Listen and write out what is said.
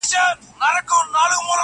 ساقي نن مه کوه د خُم د تشیدو خبري-